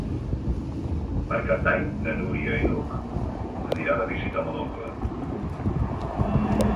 Per Cap d'Any na Núria i n'Hug aniran a visitar mon oncle.